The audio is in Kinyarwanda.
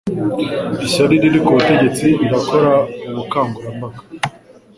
Ishyaka riri ku butegetsi rirakora ubukangurambaga